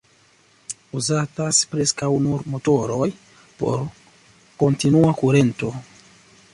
Uzatas preskaŭ nur motoroj por kontinua kurento.